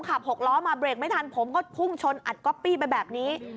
หกล้อมาเบรกไม่ทันผมก็พุ่งชนอัดก๊อปปี้ไปแบบนี้